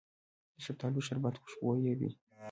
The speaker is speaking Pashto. د شفتالو شربت خوشبويه وي.